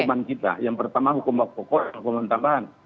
hukuman kita yang pertama hukum pokok hukuman tambahan